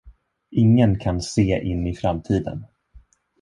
Ingen kan se in i framtiden.